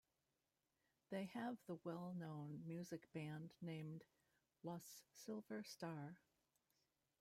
They have the well known music band named "Los Silver Star".